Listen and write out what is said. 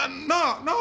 なあ！